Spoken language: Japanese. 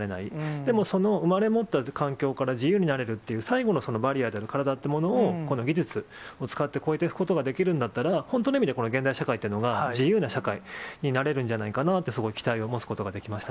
でもその生まれ持った環境から自由になれるという、最後のバリアであるカラダっていうものを、この技術を使って、越えていくことができるんだったら、本当の意味でこの現代社会っていうのが、自由な社会になれるんじゃないかなって、すごく期待を持つことができました。